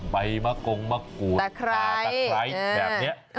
ใบมะกงมะกรูดตาตะไคร้แบบนี้